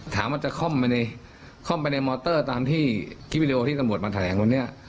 ถามว่าจะค่อมไปในมอเตอร์ตามที่คิดวิดีโอที่สมบัติมาแถลงวันนี้